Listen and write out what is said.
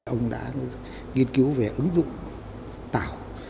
ông đã nghiên cứu về ứng dụng tạo